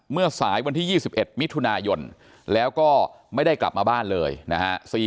เมื่อสายวันที่๒๑มิถุนายนแล้วก็ไม่ได้กลับมาบ้านเลยนะฮะ